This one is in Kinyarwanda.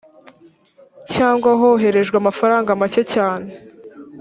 cyangwa hoherejwe amafaranga make cyane